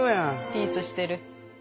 ピースしてる。